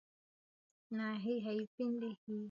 Kukosa uthabiti wa kutembea